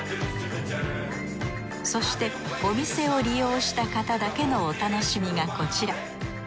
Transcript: そしてお店を利用した方だけのお楽しみがこちら。